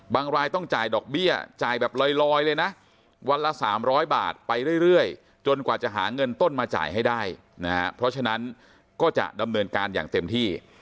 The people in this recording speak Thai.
รายต้องจ่ายดอกเบี้ยจ่ายแบบลอยเลยนะวันละ๓๐๐บาทไปเรื่อยจนกว่าจะหาเงินต้นมาจ่ายให้ได้นะฮะเพราะฉะนั้นก็จะดำเนินการอย่างเต็มที่